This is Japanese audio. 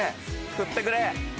食ってくれ！